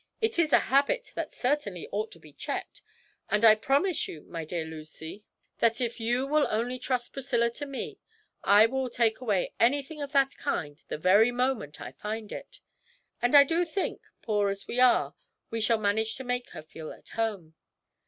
'It is a habit that certainly ought to be checked, and I promise you, my dear Lucy, that if you will only trust Priscilla to me, I will take away anything of that kind the very moment I find it. And I do think, poor as we are, we shall manage to make her feel at home.